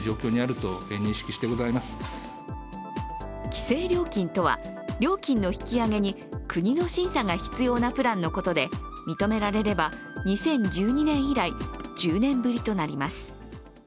規制料金とは、料金の引き上げに国の審査が必要なプランのことで認められれば２０１２年以来１０年ぶりとなります。